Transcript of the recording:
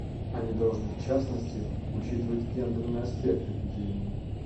Они должны, в частности, учитывать гендерный аспект эпидемии.